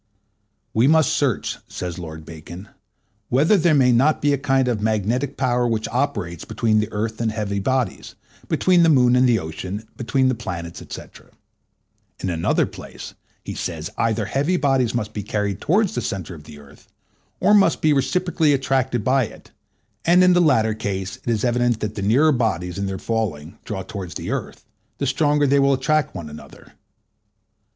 We must search, says Lord Bacon, whether there may not be a kind of magnetic power which operates between the earth and heavy bodies, between the moon and the ocean, between the planets, &c. In another place he says, either heavy bodies must be carried towards the centre of the earth, or must be reciprocally attracted by it; and in the latter case it is evident that the nearer bodies, in their falling, draw towards the earth, the stronger they will attract one another.